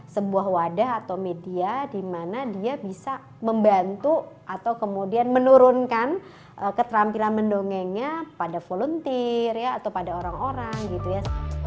sebuah wadah atau media dimana dia bisa membantu atau kemudian menurunkan keterampilan mendongengnya pada volunteer ya atau pada orang orang gitu ya